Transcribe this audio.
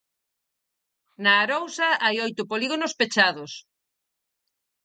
Na Arousa, hai oito polígonos pechados.